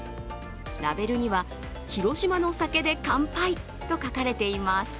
ラベルには、「ひろしまの酒で乾杯！」と書かれています。